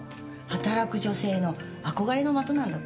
働く女性の憧れの的なんだって。